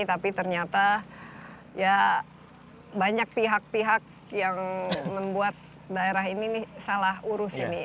tapi ternyata ya banyak pihak pihak yang membuat daerah ini salah urus ini